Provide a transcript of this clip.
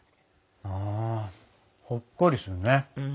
うんほっこりするね。